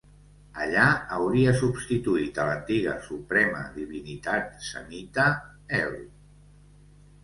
Allà hauria substituït a l'antiga suprema divinitat semita El.